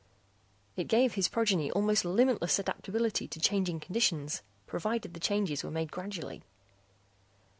It gave his progeny almost limitless adaptability to changing conditions, provided the changes were made gradually.